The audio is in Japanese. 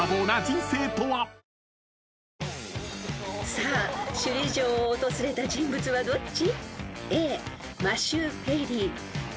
［さあ首里城を訪れた人物はどっち？］